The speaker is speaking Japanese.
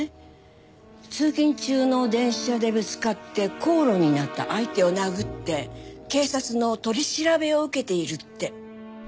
通勤中の電車でぶつかって口論になった相手を殴って警察の取り調べを受けているって。